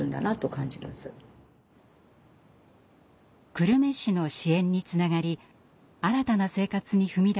久留米市の支援につながり新たな生活に踏み出した女性です。